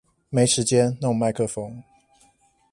沒時間弄麥克風